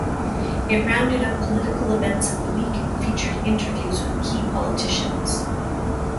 It rounded up political events of the week and featured interviews with key politicians.